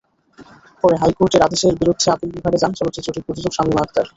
পরে হাইকোর্টের আদেশের বিরুদ্ধে আপিল বিভাগে যান চলচ্চিত্রটির প্রযোজক শামীমা আক্তার।